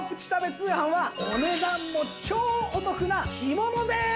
通販はお値段も超お得な干物です！